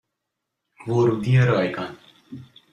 ورودی رایگان